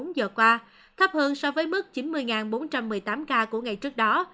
trong vòng hai mươi bốn giờ qua thấp hơn so với mức chín mươi bốn trăm một mươi tám ca của ngày trước đó